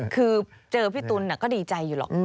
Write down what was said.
คือเจอพี่ตุ๋นก็ดีใจอยู่หรอก